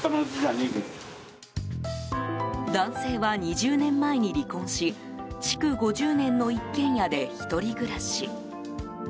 男性は２０年前に離婚し築５０年の一軒家で１人暮らし。